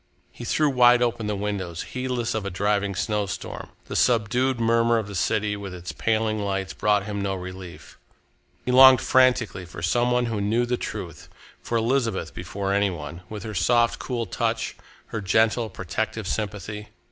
He threw wide open the windows, heedless of a driving snowstorm. The subdued murmur of the city, with its paling lights, brought him no relief. He longed frantically for some one who knew the truth, for Elizabeth before any one, with her soft, cool touch, her gentle, protective sympathy.